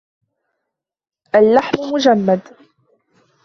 اللحم مجمد.